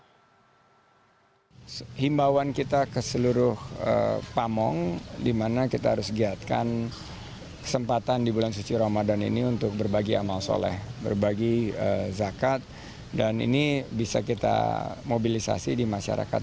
kita himbauan kita ke seluruh pamong di mana kita harus giatkan kesempatan di bulan suci ramadan ini untuk berbagi amal soleh berbagi zakat dan ini bisa kita mobilisasi di masyarakat